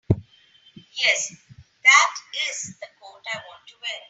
Yes, that IS the coat I want to wear.